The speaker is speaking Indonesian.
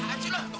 ada duitnya lagi